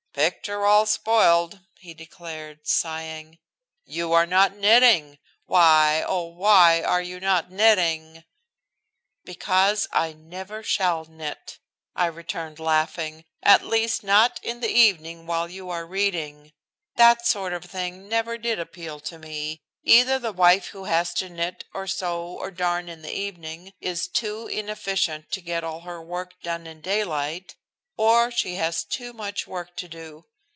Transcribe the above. "Picture all spoiled," he declared, sighing. "You are not knitting. Why, oh, why are you not knitting?" "Because I never shall knit," I returned, laughing, "at least not in the evening while you are reading. That sort of thing never did appeal to me. Either the wife who has to knit or sew or darn in the evening is too inefficient to get all her work done in daylight, or she has too much work to do.